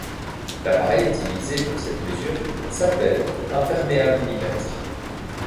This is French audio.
L'appareil utilisé pour cette mesure s'appelle un perméabilimètre.